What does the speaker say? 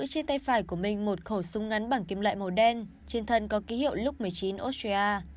trên tay phải của mình một khẩu súng ngắn bằng kim loại màu đen trên thân có ký hiệu lúc một mươi chín australia